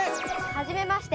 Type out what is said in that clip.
はじめまして。